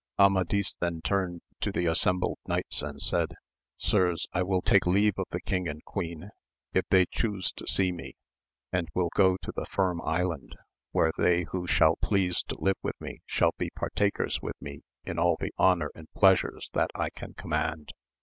Amadis then turned to the assembled knights and said, Sirs, I will take leave of the king and queen, if they chuse to see me, and will go to the Firm Island, where they who shall please to live with me shall be partakers with me in all the honour and pleasures that I can command.